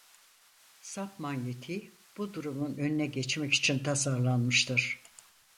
Sap manyetiği bu durumun önüne geçmek için tasarlanmıştır.